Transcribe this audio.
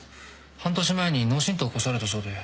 半年前に脳振とう起こされたそうで。